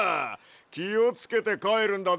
きをつけてかえるんだで。